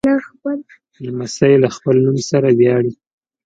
لمسی له خپل نوم سره ویاړي.